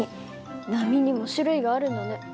波にも種類があるんだね。